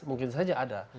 mungkin saja ada